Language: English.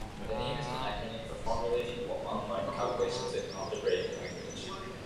The name is an acronym for Formulating On-Line Calculations in Algebraic Language.